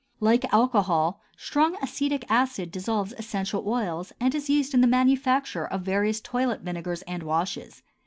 Like alcohol, strong acetic acid dissolves essential oils and is used in the manufacture of various toilet vinegars and washes.